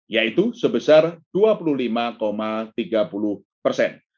yaitu sebesar dua puluh lima tiga puluh persen